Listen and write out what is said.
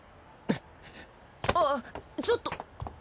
あっちょっと！